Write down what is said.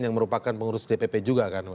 yang merupakan pengurus dpp juga kan